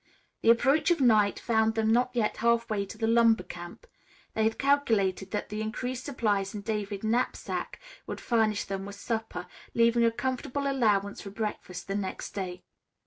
The approach of night found them not yet halfway to the lumber camp. They had calculated that the increased supplies in David's knapsack would furnish them with supper, leaving a comfortable allowance for breakfast the next day.